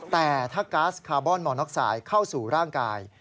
แต่ถ้าก๊าซคาร์บอนมอร์น็อกไซด์เข้าสู่ร่างกาย